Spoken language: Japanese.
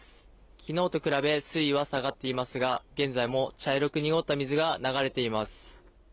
昨日と比べ水は下がっていますが、現在も茶色く濁った水が流れてます。